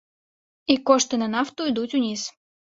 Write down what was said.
І кошты на нафту ідуць уніз.